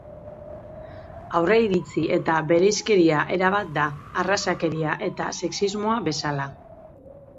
Aurreiritzi eta bereizkeria era bat da, arrazakeria eta sexismoa bezala.